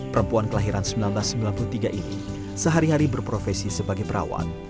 perempuan kelahiran seribu sembilan ratus sembilan puluh tiga ini sehari hari berprofesi sebagai perawat